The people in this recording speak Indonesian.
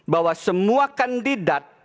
bahwa semua kandidat